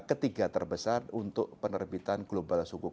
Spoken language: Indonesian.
ketiga terbesar untuk penerbitan global suku